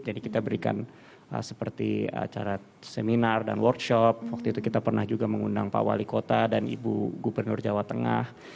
jadi kita berikan seperti acara seminar dan workshop waktu itu kita pernah juga mengundang pak wali kota dan ibu gubernur jawa tengah